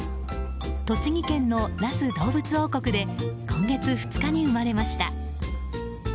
栃木県の那須どうぶつ王国で今月２日に生まれました。